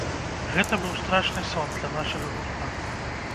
Гэта быў страшны сон для нашага гурта.